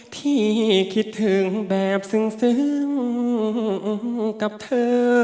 ที่คิดถึงแบบซึ้งกับเธอ